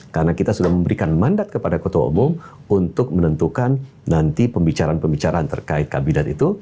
karena kita sudah memberikan mandat kepada ketua umum untuk menentukan nanti pembicaraan pembicaraan terkait kabinet itu